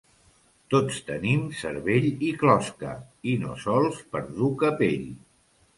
Tots tenim cervell i closca i no sols per dur capell.